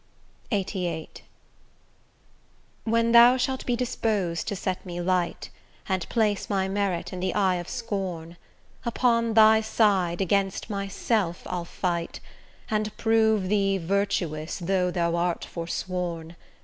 LXXXVIII When thou shalt be dispos'd to set me light, And place my merit in the eye of scorn, Upon thy side, against myself I'll fight, And prove thee virtuous, though thou art forsworn.